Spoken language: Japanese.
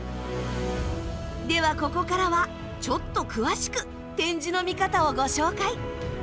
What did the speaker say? ではここからはちょっと詳しく展示の見方をご紹介。